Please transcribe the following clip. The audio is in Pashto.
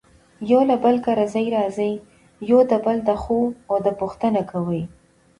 يو له بل کره ځي راځي يو د بل دښو او دو پوښنته کوي.